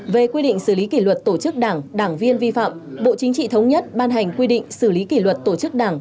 về quy định xử lý kỷ luật tổ chức đảng đảng viên vi phạm bộ chính trị thống nhất ban hành quy định xử lý kỷ luật tổ chức đảng